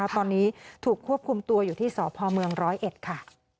ตอนนี้ถูกควบคุมตัวอยู่ที่สพ๑๐๑ค่ะ